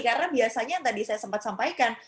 karena biasanya yang tadi saya sempat sampaikan